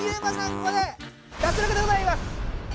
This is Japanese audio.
ここで脱落でございます！